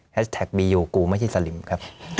แฮชแท็กดีอยู่กูไม่ที่สลัมครับ